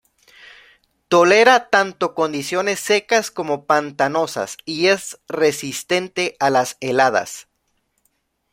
Tolera tanto condiciones secas como pantanosas y es resistente a las heladas.